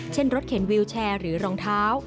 เช่นรถเข็นวิวแชร์หรือรองเท้า